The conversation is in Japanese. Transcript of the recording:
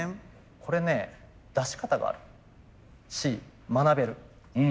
これね出し方があるし学べる。